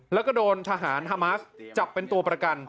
แล้วก็โดนทหารฮามาสจับเป็นตัวประกัน